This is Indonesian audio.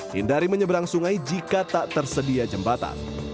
hindari menyeberang sungai jika tak tersedia jembatan